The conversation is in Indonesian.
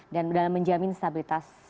dan dalam menjamin stabilitas